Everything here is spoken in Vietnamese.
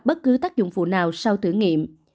bất cứ tác dụng phụ nào sau thử nghiệm